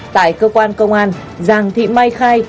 tại cơ quan công an giàng thị may khai